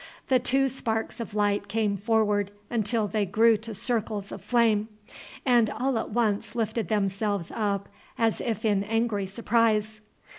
The two sparks of light came forward until they grew to circles of flame, and all at once lifted themselves up as if in angry surprise.